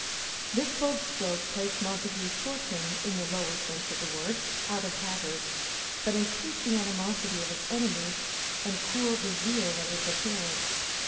This bold stroke placed Montague's fortune, in the lower sense of the word, out of hazard, but increased the animosity of his enemies and cooled the zeal of his adherents.